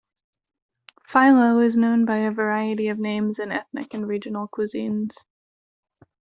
Filo is known by a variety of names in ethnic and regional cuisines.